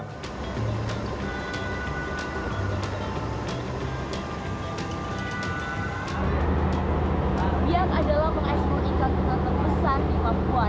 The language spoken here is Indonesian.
biar ada laluan mengakses ikan tuna terbesar di papua